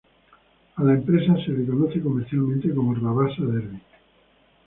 A la empresa se la conoce comercialmente como Rabasa Derbi.